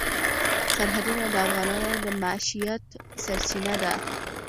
سرحدونه د افغانانو د معیشت سرچینه ده.